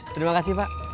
terima kasih pak